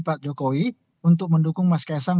pak jokowi untuk mendukung mas kaisang